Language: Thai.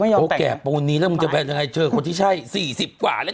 ไม่ยอมแต่งโอ้แก่ปูนนี้แล้วมึงจะไปไหนเจอคนที่ใช่สี่สิบกว่าแล้ว